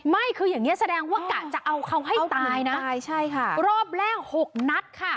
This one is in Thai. ไม่คืออย่างนี้แสดงว่ากะจะเอาเขาให้ตายนะรอบแรก๖นัทค่ะ